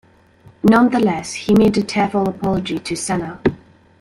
Nonetheless, he made a tearful apology to Senna.